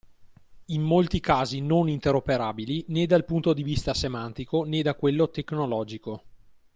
in molti casi non interoperabili né dal punto di vista semantico né da quello tecnologico.